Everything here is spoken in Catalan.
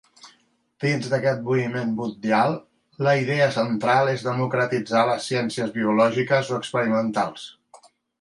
Dins aquest moviment mundial, la idea central és democratitzar les ciències biològiques o experimentals.